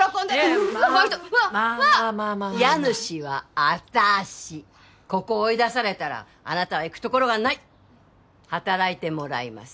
この人まあまあまあ家主は私ここを追い出されたらあなたは行くところがないっ働いてもらいます